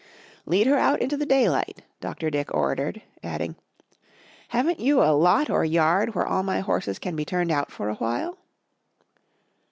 "Lead her out into the daylight," Dr. Dick ordered, adding: "Haven't you a lot or yard where all my horses can be turned in for awhile?"